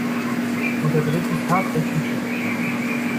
Und er dreht sich tatsächlich um.